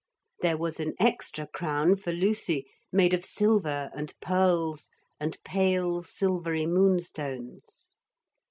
There was an extra crown for Lucy, made of silver and pearls and pale silvery moonstones.